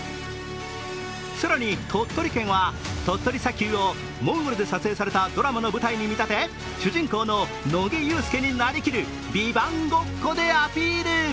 更に鳥取県は鳥取砂丘をモンゴルで撮影されたドラマの舞台に見立て、主人公の乃木憂助になりきる「ＶＩＶＡＮＴ」ごっこでアピール。